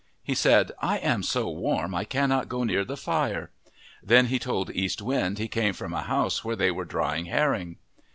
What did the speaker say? He said, " I am so warm I cannot go near the fire." Then he told East Wind he came from a house where they were drying herring.